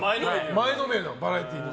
前のめりのバラエティーの。